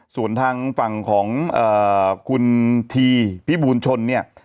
ส่วนทางฝั่งของคุณทีพี่บูรณชนเนี่ย